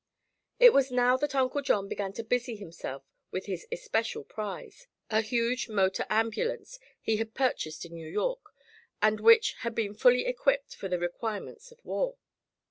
It was now that Uncle John began to busy himself with his especial prize, a huge motor ambulance he had purchased in New York and which had been fully equipped for the requirements of war.